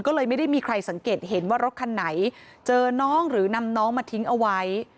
ก็เลยไม่ได้มีใครสังเกตเห็นว่ารถคันไหนเจอน้องหรือนำน้องมาทิ้งเอาไว้